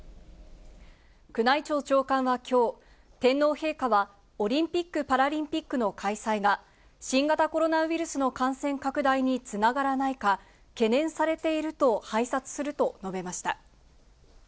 宮内庁長官はきょう、天皇陛下はオリンピック・パラリンピックの開催が新型コロナウイルスの感染拡大につながらないか、懸念されていると拝察すると述べました。